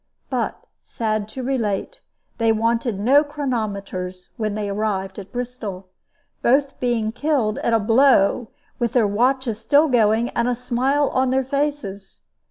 But, sad to relate, they wanted no chronometers when they arrived at Bristol, both being killed at a blow, with their watches still going, and a smile on their faces.